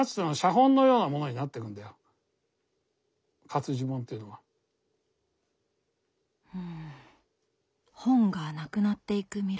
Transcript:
だからうん本がなくなっていく未来。